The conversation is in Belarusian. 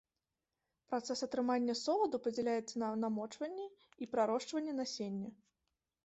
Працэс атрымання соладу падзяляецца на намочванне і прарошчванне насення.